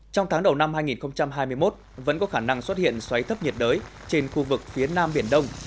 trong tháng đầu năm hai nghìn hai mươi một vẫn có khả năng xuất hiện xoáy thấp nhiệt đới trên khu vực phía nam biển đông